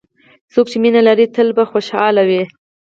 څوک چې مینه لري، تل په ژوند خوشحال وي.